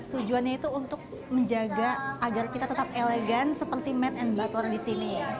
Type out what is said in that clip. tujuannya itu untuk menjaga agar kita tetap elegan seperti maid and butler disini